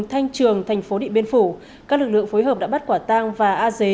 thanh trường thành phố điện biên phủ các lực lượng phối hợp đã bắt quả tang và a dế